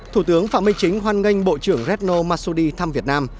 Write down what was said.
thủ tướng phạm minh chính hoan nghênh bộ trưởng retno masudi thăm việt nam